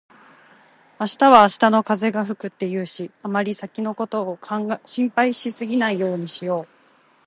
「明日は明日の風が吹く」って言うし、あまり先のことを心配しすぎないようにしよう。